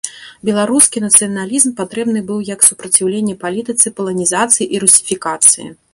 Беларускі нацыяналізм патрэбны быў як супраціўленне палітыцы паланізацыі і русіфікацыі.